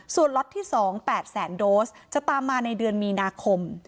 ส่วนล็อตที่๒๘แสนโดสจะตามมาในเดือนมีนาคม